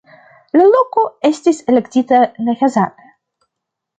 La loko estis elektita ne hazarde.